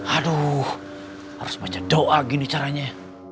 aduh harus baca doa gini caranya